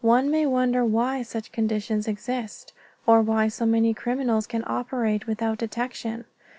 One may wonder why such conditions exist, or why so many criminals can operate without detection.